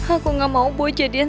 aku gak mau boy jadian